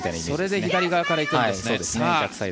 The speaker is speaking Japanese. それで左側から行くんですね。